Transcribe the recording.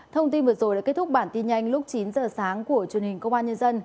thông tin vừa rồi đã kết thúc bản tin nhanh lúc chín giờ sáng của truyền hình công an nhân dân